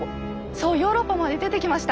そうヨーロッパまで出てきました！